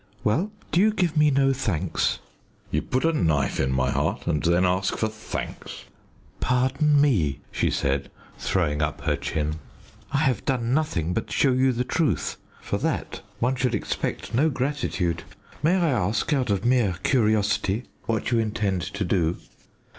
"Well do you give me no thanks?" "You put a knife in my heart, and then ask for thanks?" "Pardon me," she said, throwing up her chin. "I have done nothing but show you the truth. For that one should expect no gratitude may I ask, out of mere curiosity, what you intend to do?"